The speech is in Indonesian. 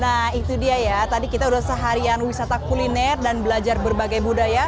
nah itu dia ya tadi kita udah seharian wisata kuliner dan belajar berbagai budaya